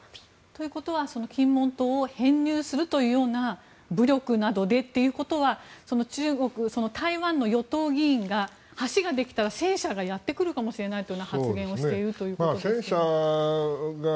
ということは金門島を編入するというような武力などでということは台湾の与党議員が橋ができたら戦車がやってくるかもしれないという発言をしているということですが。